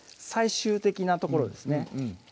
最終的なところですね